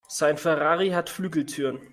Sein Ferrari hat Flügeltüren.